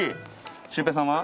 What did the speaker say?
シュウペイさんは？